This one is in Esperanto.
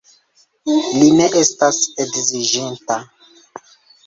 Li ne estas edziĝinta.